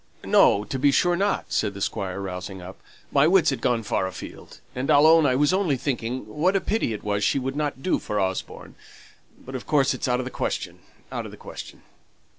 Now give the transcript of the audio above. "No, to be sure not," said the Squire, rousing up. "My wits had gone far afield, and I'll own I was only thinking what a pity it was she wouldn't do for Osborne. But, of course, it's out of the question out of the question."